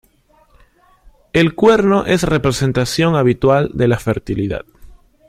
El cuerno es representación habitual de la fertilidad.